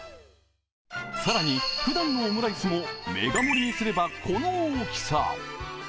更に、ふだんのオムライスもメガ盛りにすればこの大きさ。